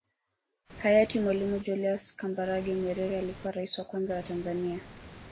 Hayati Mwalimu Julius Kambarage Nyerere alikuwa Rais wa Kwanza wa Tanzania